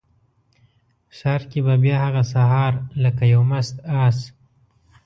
ښار کې به بیا هغه سهار لکه یو مست آس،